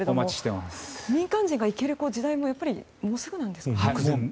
民間人が行ける時代ももうすぐなんですね。